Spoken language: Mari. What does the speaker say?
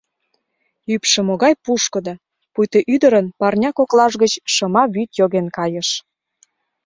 Ӱпшӧ могай пушкыдо, пуйто ӱдырын парня коклаж гыч шыма вӱд йоген кайыш.